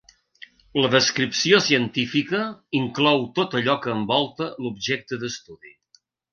La descripció científica inclou tot allò que envolta l'objecte d'estudi.